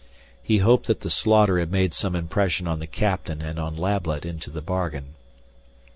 He hoped that the slaughter had made some impression on the captain and on Lablet into the bargain.